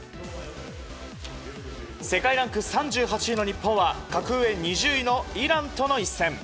世界ランク３８位の日本は格上２０位のイランとの一戦。